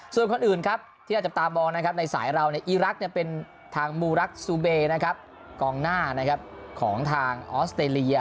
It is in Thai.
ส่วนคนอื่นที่อยากจะตามมองในสายเราอีรักซ์เป็นทางมูลักซู้เบกองหน้าของทางออสเตรเลีย